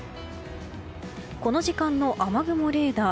この時間の雨雲レーダー。